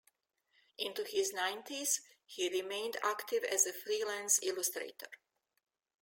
Into his nineties, he remained active as a freelance illustrator.